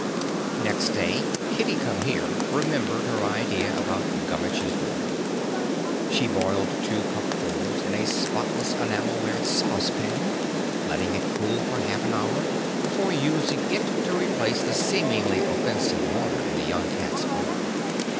Next day Kitty Come Here remembered her idea about Gummitch's water. She boiled two cupfuls in a spotless enamelware saucepan, letting it cool for half an hour before using it to replace the seemingly offensive water in the young cat's bowl.